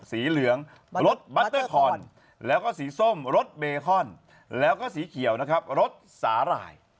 สีเหลืองรถบัตเตอร์คอนแล้วก็สีส้มรถเบคอนแล้วก็สีเขียวนะครับรถสาหร่าย